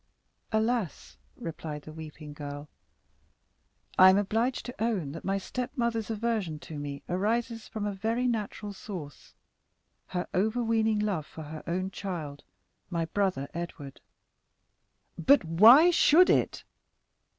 "Alas," replied the weeping girl, "I am obliged to own that my stepmother's aversion to me arises from a very natural source—her overweening love for her own child, my brother Edward." "But why should it?"